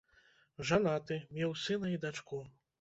Жанаты, меў сына і дачку.